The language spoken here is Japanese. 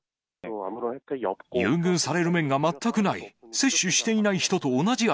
優遇される面が全くない。